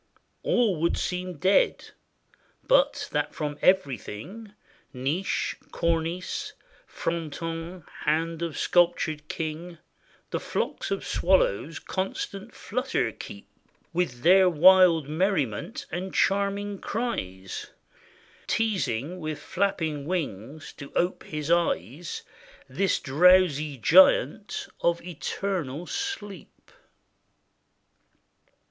All would seem dead, but that from everything, Niche, cornice, fronton, hand of sculptured king, The flocks of swallows constant flutter keep, With their wild merriment and charming cries; Teasing, with flapping wings to ope his eyes. This drowsy giant of eternal sleep.